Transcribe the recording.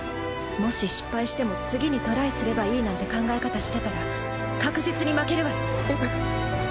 もし失敗しても次にトライすればいいなんて考え方してたら確実に負けるわよ。